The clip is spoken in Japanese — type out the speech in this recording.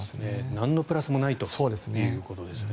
なんのプラスもないということですね。